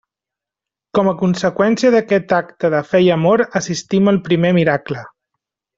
Com a conseqüència d'aquest acte de fe i d'amor assistim al primer miracle.